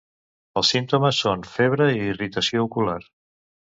Els símptomes són febre i irritació ocular.